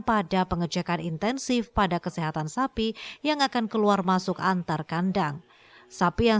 pada pengejakan intensif pada kesehatan sapi yang akan keluar masuk antar kandang sapi yang